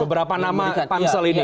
beberapa nama pansel ini